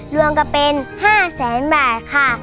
รวมกับเป็น๕แสนบาทค่ะ